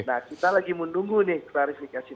nah kita lagi menunggu nih klarifikasi